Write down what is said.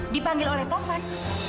dipanggil oleh taufan